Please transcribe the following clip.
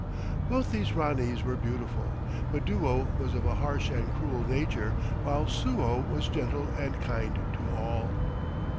Both these Ranees were beautiful, but Duo was of a harsh and cruel nature, while Suo was gentle and kind to all.